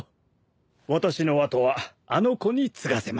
私の跡はあの子に継がせますよ。